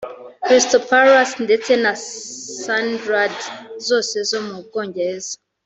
Crystal Palace ndetse na Sundrand zose zo mu Bwongereza